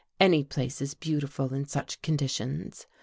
Any place is beautiful in such conditions.